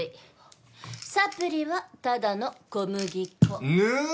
サプリはただの小麦粉。ぬ！？